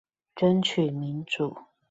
爭取民主